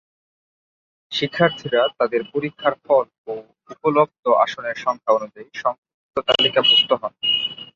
শিক্ষার্থীরা তাদের পরীক্ষার ফল ও উপলব্ধ আসনের সংখ্যা অনুযায়ী সংক্ষিপ্ত তালিকাভুক্ত হন।